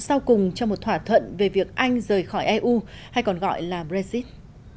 sau cùng cho một thỏa thuận về việc anh rời khỏi eu hay còn gọi là brexit